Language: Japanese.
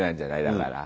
だから。